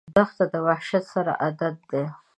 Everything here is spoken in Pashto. دښته د وحشت سره عادت ده.